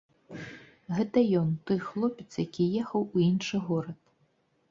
Гэта ён, той хлопец, які ехаў у іншы горад.